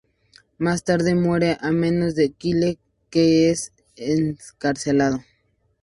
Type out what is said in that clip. Más tarde muere a manos de Kyle, que es encarcelado.